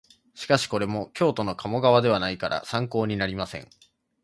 しかしこれも京都の鴨川ではないから参考になりません